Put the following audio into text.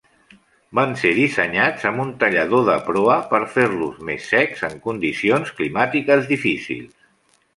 Van ser dissenyats amb un tallador de proa per fer-los més secs en condicions climàtiques difícils.